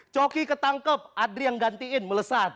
coki ketangkep adri yang gantiin melesat